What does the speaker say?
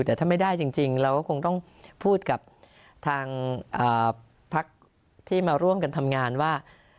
แต่ถ้าไม่ได้จริงเราก็คงต้องพูดกับทางพักที่มาร่วมกันทำงานว่า